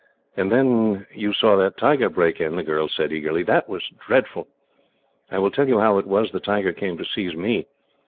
"And then you saw that tiger break in," the girl said, eagerly. "That was dreadful. I will tell you how it was the tiger came to seize me.